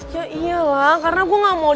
ya iyalah karena gue gak mau diskon